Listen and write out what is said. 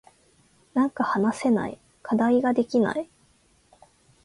なんか話せない。課題ができない。